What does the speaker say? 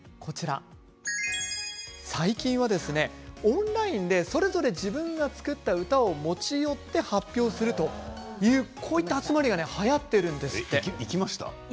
最近はオンラインでそれぞれ作った歌を持ち寄って発表するということがはやっているんですって。